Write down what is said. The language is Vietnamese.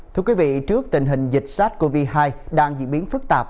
thưa quý vị trước tình hình dịch sars cov hai đang diễn biến phức tạp